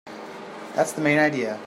That's the main idea.